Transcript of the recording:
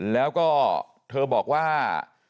แล้วก็เธอบอกว่า